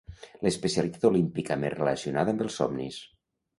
L'especialitat olímpica més relacionada amb els somnis.